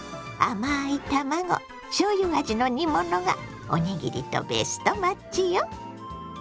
甘い卵しょうゆ味の煮物がおにぎりとベストマッチよ！